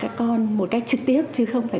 các con một cách trực tiếp chứ không phải